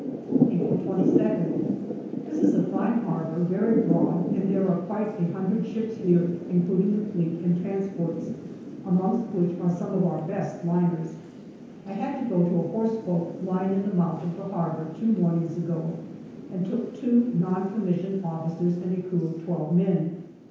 April 22nd. This is a fine harbour, very broad, and there are quite a hundred ships here, including the Fleet and transports, amongst which are some of our best liners. I had to go to a horse boat lying in the mouth of the harbour two mornings ago and took two non commissioned officers and a crew of twelve men.